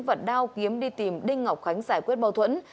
và đao kiếm đi tìm đinh ngọc khánh giải quyết mâu thuẫn